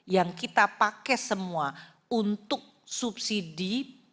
yang kita pakai semua untuk subsidi